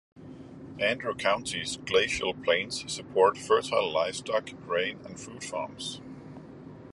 Andrew County's glacial plains support fertile livestock, grain, and fruit farms.